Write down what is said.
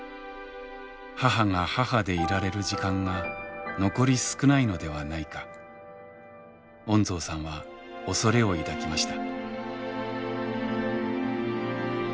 母が母でいられる時間が残り少ないのではないか恩蔵さんは恐れを抱きました。